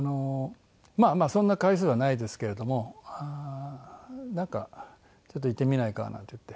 まあまあそんな回数はないですけれども「ちょっと行ってみないか」なんて言って。